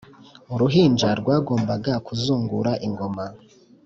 uruhinja rwagombaga kuzungura ingoma.